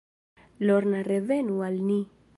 Lorna, revenu al ni.